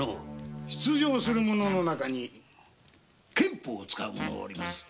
出場者の中に拳法を使う者がおります。